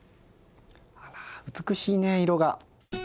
あら美しいね色が。